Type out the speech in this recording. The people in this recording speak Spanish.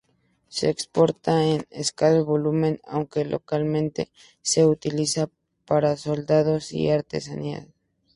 Se exporta en escaso volumen, aunque localmente se utiliza para solados y artesanía.